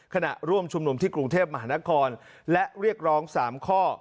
ขณะร่วมชุมนุมที่กรุงเทพมหานครและเรียกร้อง๓ข้อ